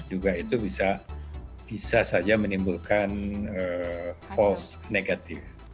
juga itu bisa saja menimbulkan false negative